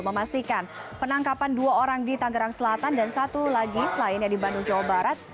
memastikan penangkapan dua orang di tanggerang selatan dan satu lagi lainnya di bandung jawa barat